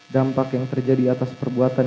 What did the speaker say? dampak yang terjadi atas perbuatan